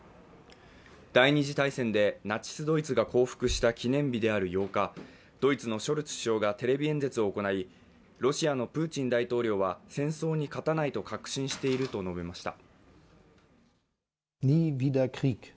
第二次大戦でナチス・ドイツが降伏した記念日である８日、ドイツのショルツ首相がテレビ演説を行い、ロシアのプーチン大統領は戦争に勝たないと確信していると述べました。